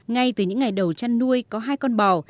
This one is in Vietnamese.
ngay từ những ngày đầu chăn nuôi có hai con bò